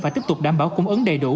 phải tiếp tục đảm bảo cung ứng đầy đủ